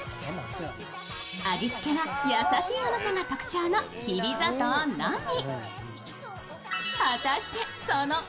味付けは優しい甘さが特徴のきび砂糖のみ。